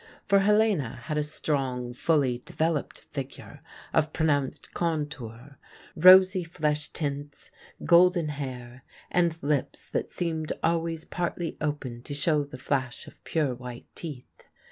For Helena had a strong, fully developed figure of pronounced contour, rosy flesh tints, golden hair, and lips that seemed always partly open to show the flash of pure white teeth.